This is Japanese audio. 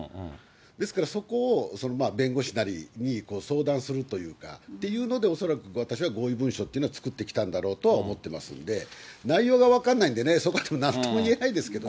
ですから、そこを弁護士なりに相談するというかっていうので、恐らく私は合意文書っていうのは作ってきたんだろうと思ってますので、内容が分からないんでね、そこはなんとも言えないんですけどね。